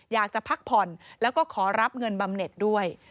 อยากจะพักผ่อนแล้วก็ขอรับเงินบำเน็ตด้วย